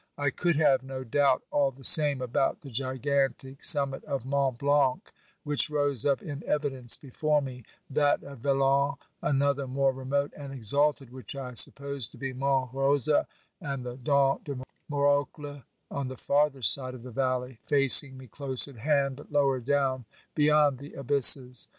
I could have no doubt all the same about the gigantic summit of Mont Blanc, which rose up in evidence before me ; that of Velan ; another more remote and exalted, which I suppose to be Mont Rosa ; and the Dent de Morcle on the farther side of the valley, facing me close at hand, but lower down, be yond the abysses.